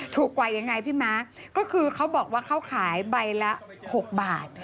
ถูกกว่ายังไงพี่ม้าก็คือเขาบอกว่าเขาขายใบละ๖บาท